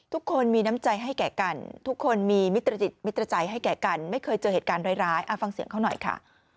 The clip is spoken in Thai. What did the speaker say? ทุกคนมีน้ำใจให้แก่กันทุกคนมีมิตรจิตมิตรใจให้แก่กันไม่เคยเจอเหตุการณ์ร้ายฟังเสียงเขาหน่อยค่ะ